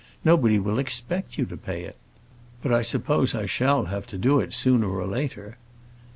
Nobody will expect you to pay it!" "But I suppose I shall have to do it sooner or later?"